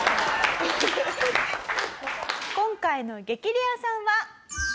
今回の激レアさんは。